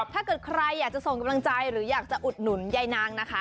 ถ้าใครอยากทรงกำลังชัยหรืออุดหนุนยายนาง